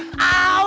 siapa orang itu